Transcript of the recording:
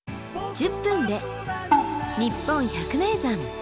１０分で「にっぽん百名山」。